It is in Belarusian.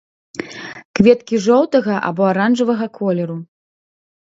Кветкі жоўтага або аранжавага колеру.